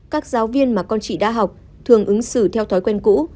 các giáo viên mà con chị đã học thường ứng xử theo thói quen cũ